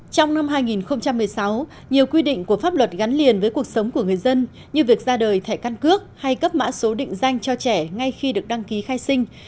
trong năm hai nghìn một mươi sáu nhiều quy định của pháp luật gắn liền với cuộc sống của người dân như việc ra đời thẻ căn cước hay cấp mã số định danh cho trẻ ngay khi được đăng ký khai sinh